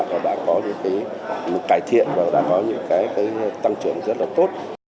và đã có những cái cải thiện và đã có những cái tăng trưởng rất là tốt